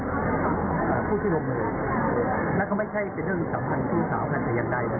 เพราะว่าทั้งคู่ไม่ได้เป็นแข่งการแล้วมีความสัมผัสในใด